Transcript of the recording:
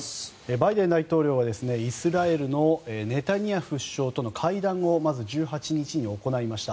バイデン大統領はイスラエルのネタニヤフ首相との会談をまず１８日に行いました。